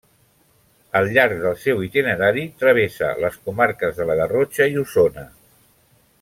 Al llarg del seu itinerari, travessa les comarques de la Garrotxa i Osona.